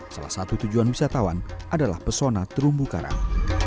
salah satu tujuan wisatawan adalah pesona terumbu karang